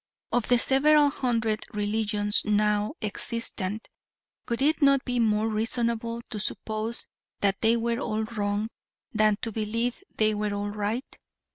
Of the several hundred religions now extant, would it not be more reasonable to suppose that they were all wrong than to believe they were all right?